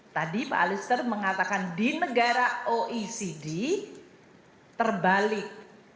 tadi pak alister mengatakan di negara oecd terbalik